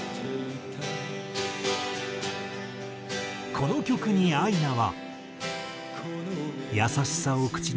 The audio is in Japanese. この曲にアイナは。